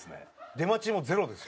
出待ちもゼロです。